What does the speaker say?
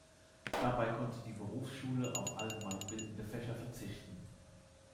Dabei konnte die Berufsschule auf allgemeinbildende Fächer verzichten.